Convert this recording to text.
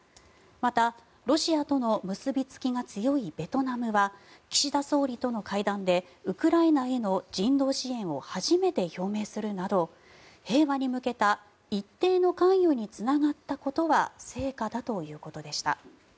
また、ロシアとの結びつきが強いベトナムは岸田総理との会談でウクライナへの人道支援を初めて表明するなど平和に向けた一定の関与につながったことは成果だということでした。